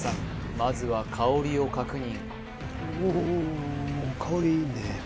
まずは香りを確認